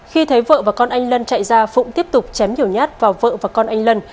khi thấy vợ và con anh lân chạy ra phụng tiếp tục chém nhiều nhát vào vợ và con anh lân